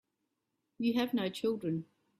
You have no children.